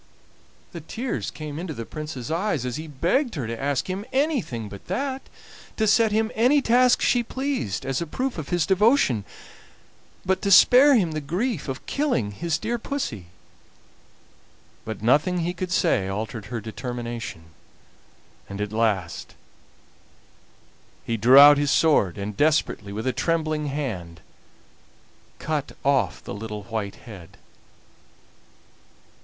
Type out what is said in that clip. The tears came into the Prince's eyes as he begged her to ask him anything but that to set him any task she pleased as a proof of his devotion, but to spare him the grief of killing his dear Pussy. But nothing he could say altered her determination, and at last he drew his sword, and desperately, with a trembling hand, cut off the little white head.